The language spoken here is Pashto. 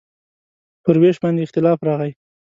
پر وېش باندې اختلاف راغی.